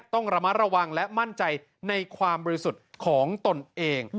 ต้องระมัดระวังและมั่นใจในความบริสุทธิ์ของตนเอง